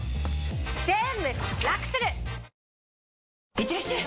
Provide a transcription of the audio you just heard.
いってらっしゃい！